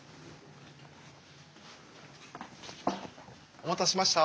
お待たせしました。